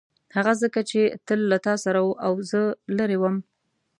هغه ځکه چې تل له تا سره و او زه لیرې وم.